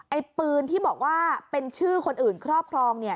ไอ้ปืนที่บอกว่าเป็นชื่อคนอื่นครอบครองเนี่ย